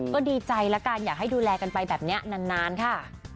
ก็ดีใจแล้วกันอยากให้ดูแลกันไปแบบนี้นานค่ะ